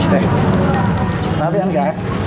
hey kenapa bianca